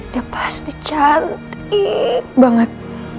dia pasti cantik banget